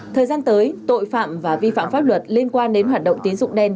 thời gian tới tội phạm và vi phạm pháp luật liên quan đến hoạt động tín dụng đen